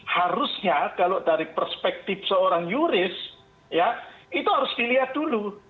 harusnya kalau dari perspektif seorang yuris ya itu harus dilihat dulu